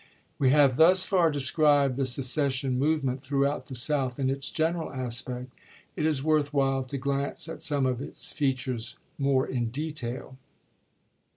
We have thus far described the secession movement throughout the South in its general aspect. It is worth while to glance at some of its features more in detail.